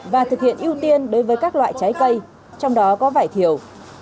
và thực hiện ưu tiên đối với các loại trái cây trong đó có vải thiều